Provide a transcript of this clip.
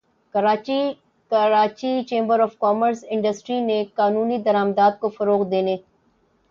Karachi Karachi chamber of commerce and industry نے قانونی درآمدات کو فروغ دینے